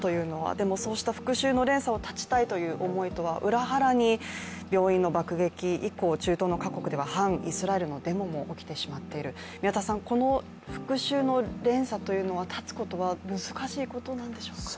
でもそうした復しゅうの連鎖を絶ちたいという思いとは裏腹に病院の爆撃以降、中東の各国では反イスラエルのデモも起きてしまっているこの復しゅうの連鎖というのは、絶つことは難しいことなんでしょうか。